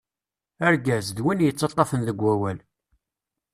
Argaz, d win yettaṭṭafen deg wawal-